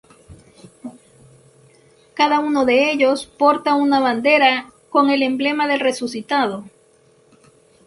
Cada uno de ellos porta una bandera con el emblema del Resucitado.